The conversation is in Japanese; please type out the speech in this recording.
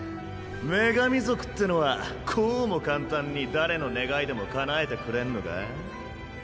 女神族ってのはこうも簡単に誰の願いでもかなえてくれんのか？